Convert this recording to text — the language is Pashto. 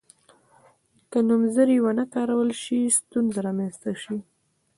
که نومځري ونه کارول شي ستونزه رامنځته شي.